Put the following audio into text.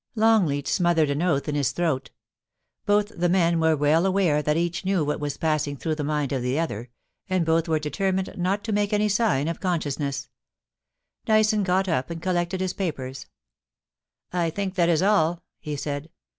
Longleat smothered an oath in his throaL Both the men were well aware that each knew what was passing through the mind of the other, and both were determined not to make any sign of consciousness^ Dyson got up and collected his papers. *I think that is all,' he said.